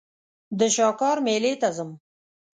د شاکار مېلې ته ځم.